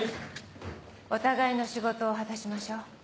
お互いの仕事を果たしましょう。